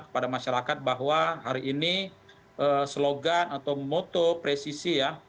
kepada masyarakat bahwa hari ini slogan atau moto presisi ya